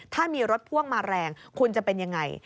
ถ้ามีรถพ่วงมาแรงคุณจะเป็นยังไง